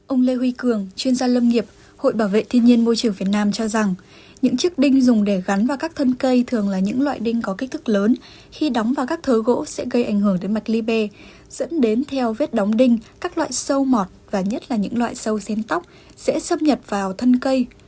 ông lê huy cường chuyên gia lâm nghiệp hội bảo vệ thiên nhiên môi trường việt nam cho rằng những chiếc đinh dùng để gắn vào các thân cây thường là những loại đinh có kích thước lớn khi đóng vào các thớ gỗ sẽ gây ảnh hưởng đến mạch liby dẫn đến theo vết đóng đinh các loại sâu mọt và nhất là những loại sâu xén tóc sẽ xâm nhập vào thân cây